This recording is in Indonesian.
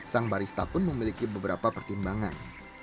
sang barista pun memiliki beberapa pertimbangan